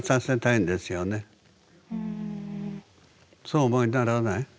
そうお思いにならない？